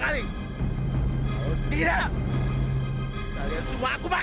kalau tidak kalian semua aku makan